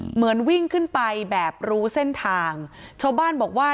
เหมือนวิ่งขึ้นไปแบบรู้เส้นทางชาวบ้านบอกว่า